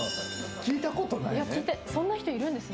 聞いたことないね。